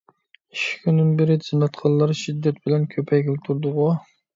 ئىككى كۈندىن بېرى تىزىملاتقانلار شىددەت بىلەن كۆپەيگىلى تۇردىغۇ.